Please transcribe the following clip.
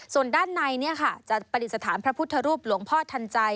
ส่วนด้านในจะปฏิสถานพระพุทธรูปหลวงพ่อทันใจ